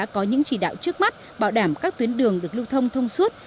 có những chỉ đạo trước mắt bảo đảm các tuyến đường được lưu thông thông suốt